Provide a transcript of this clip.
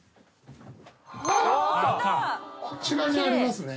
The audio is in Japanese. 「こちらにありますね」